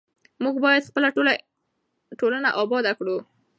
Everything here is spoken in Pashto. موږ باید خپله ټولنه اباده کړو.